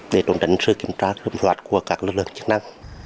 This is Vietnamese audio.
để đấu tranh sự kiểm soát của các lực lượng chức năng